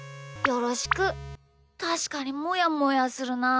たしかにモヤモヤするな。